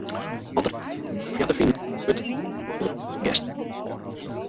Alles dêr't gjin ferklearring foar te finen is, wurdt taskreaun oan kweageasten.